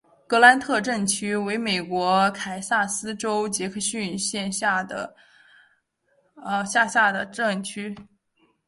格兰特镇区为美国堪萨斯州杰克逊县辖下的镇区。